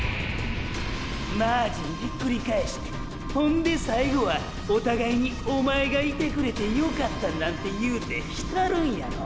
マージンひっくり返してほんで最後はお互いに「お前がいてくれてよかった」なんて言うて浸るんやろ。